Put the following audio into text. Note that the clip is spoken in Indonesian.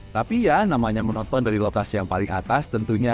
tapi ya namanya menonton dari lokasi yang paling atas tentunya